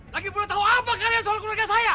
lagi pula tau apa kalian soal keluarga saya